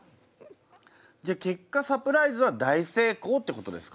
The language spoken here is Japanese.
じゃあ結果サプライズは大成功ってことですか？